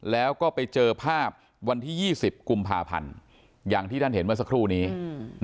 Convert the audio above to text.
แล้วก็ไปเจอภาพวันที่ยี่สิบกุมภาพันธ์อย่างที่ท่านเห็นเมื่อสักครู่นี้อืม